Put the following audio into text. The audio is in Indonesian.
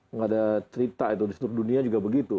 nggak ada cerita itu di seluruh dunia juga begitu